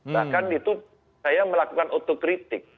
bahkan itu saya melakukan otokritik